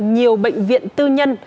nhiều bệnh viện tư nhân